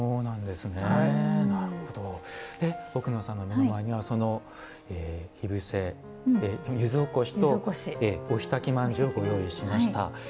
奥野さんの目の前には柚子おこしとお火焚きまんじゅうをご用意しました。